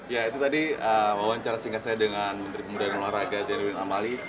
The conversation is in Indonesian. ya itu tadi wawancara singkat saya dengan menteri pemuda dan olahraga zainuddin amali